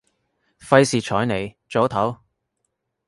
費事睬你，早唞